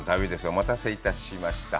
お待たせいたしました。